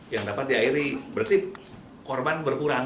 yang dapat diakhiri berarti korban berkurang